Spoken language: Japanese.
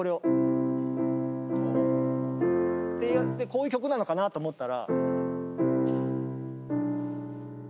こういう曲なのかなと思ったら。